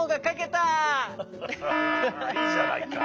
いいじゃないか。